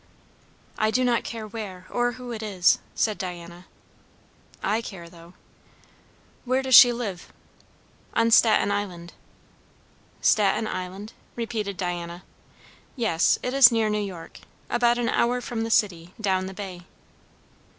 "I do not care where or who it is," said Diana. "I care, though." "Where does she live?" "On Staten Island." "Staten Island?" repeated Diana. "Yes. It is near New York; about an hour from the city, down the bay."